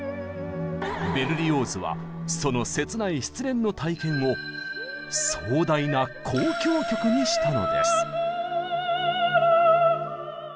ベルリオーズはその切ない失恋の体験を壮大な交響曲にしたのです！